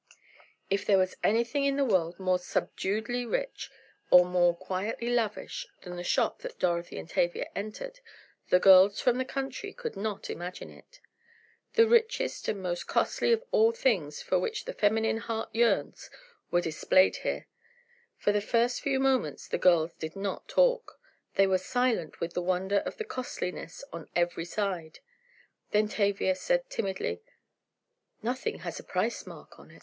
If there was anything in the world more subduedly rich, or more quietly lavish, than the shop that Dorothy and Tavia entered, the girls from the country could not imagine it. The richest and most costly of all things for which the feminine heart yearns, were displayed here. For the first few moments the girls did not talk. They were silent with the wonder of the costliness on every side. Then Tavia said timidly: "Nothing has a price mark on!"